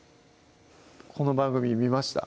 この番組見ました？